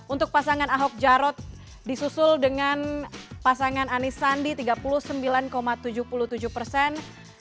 untuk pasangan ahok jarot disusul dengan pasangan anies sandi tiga puluh sembilan tujuh puluh tujuh persen